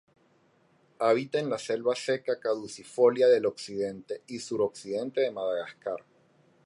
Habita en la selva seca caducifolia del occidente y suroccidente de Madagascar.